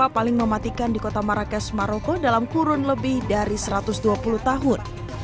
paling mematikan di kota marrakesh maroko dalam kurun lebih dari satu ratus dua puluh tahun